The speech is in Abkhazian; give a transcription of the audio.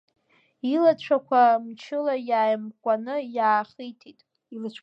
Илацәақәа мчыла иааимкәкәааны иаахитит.